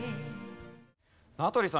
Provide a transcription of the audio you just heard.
名取さん